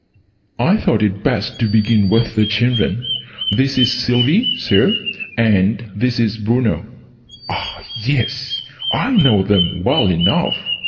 I thought it best to begin with the children. "This is Sylvie. Sir; and this is Bruno." "Ah, yes! I know them well enough!"